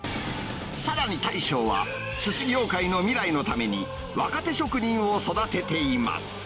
さらに、大将はすし業界の未来のために、若手職人を育てています。